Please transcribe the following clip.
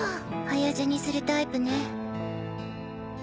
早死にするタイプね。